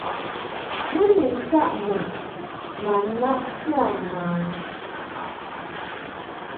Mɨ ni ntaʼ mun ma naʼti a manji.